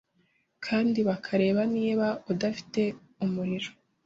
kandi bakareba niba udafite umuriro.